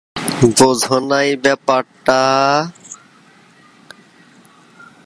ইউসুফ তারই উত্তরসূরি।